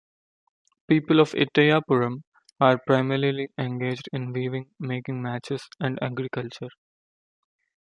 People of Ettayapuram are primarily engaged in weaving, making matches and agriculture.